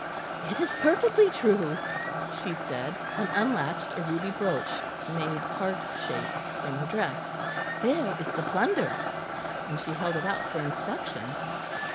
"It is perfectly true," she said, and unlatched a ruby brooch, made heart shape, from her dress. "There is the plunder," and she held it out for inspection.